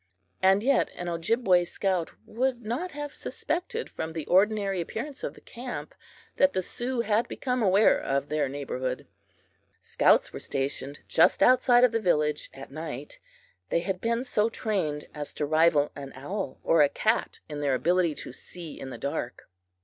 And yet an Ojibway scout would not have suspected, from the ordinary appearance of the camp, that the Sioux had become aware of their neighborhood! Scouts were stationed just outside of the village at night. They had been so trained as to rival an owl or a cat in their ability to see in the dark.